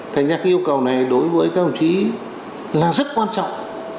thành ra cái yêu cầu này đối với các ông chí là rất quan trọng